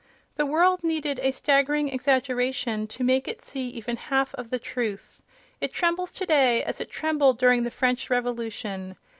The world needed a staggering exaggeration to make it see even half of the truth. It trembles today as it trembled during the French Revolution.